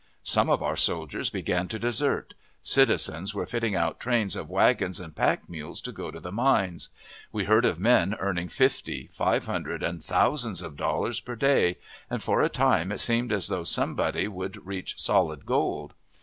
Some of our soldiers began to desert; citizens were fitting out trains of wagons and packmules to go to the mines. We heard of men earning fifty, five hundred, and thousands of dollars per day, and for a time it seemed as though somebody would reach solid gold.